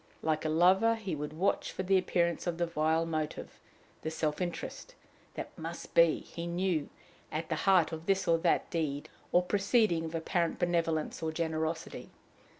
Like a lover, he would watch for the appearance of the vile motive, the self interest, that "must be," he knew, at the heart of this or that deed or proceeding of apparent benevolence or generosity.